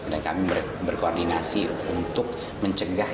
dan kami berkoordinasi untuk mencegah